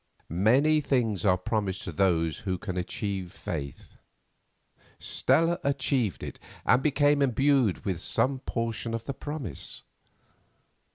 Many things are promised to those who can achieve faith. Stella achieved it and became endued with some portion of the promise.